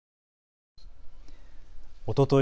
おととい